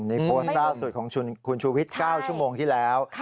โพสต์ล่าสุดของคุณชูวิทย์๙ชั่วโมงที่แล้ว